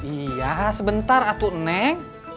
iya sebentar atu neng